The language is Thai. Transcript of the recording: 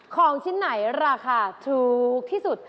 ของชิ้นไหนราคาถูกที่สุด